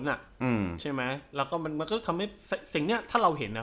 ใช่ไหมแล้วก็มันก็ทำให้สิ่งเนี้ยถ้าเราเห็นอ่ะ